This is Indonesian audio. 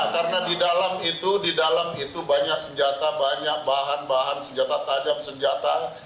karena di dalam itu di dalam itu banyak senjata banyak bahan bahan senjata tajam senjata